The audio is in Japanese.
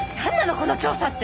この調査って。